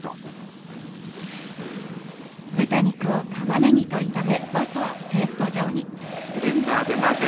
豚肉を玉ねぎと炒めまずはペースト状に。